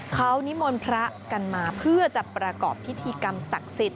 เขานิมนต์พระกันมาเพื่อจะประกอบพิธีกรรมศักดิ์สิทธิ